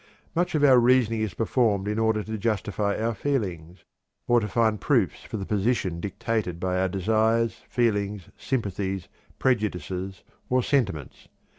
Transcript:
Much of our reasoning is performed in order to justify our feelings, or to find proofs for the position dictated by our desires, feelings, sympathies, prejudices, or sentiments.